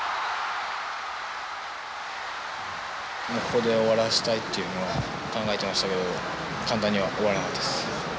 ここで終わらせたいっていうのは考えてましたけど簡単には終わらなかったです。